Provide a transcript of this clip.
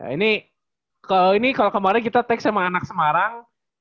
ini kalau ini kalau kemarin kita tag sama anak semarang